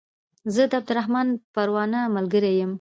زه د عبدالرحمن پروانه ملګری يم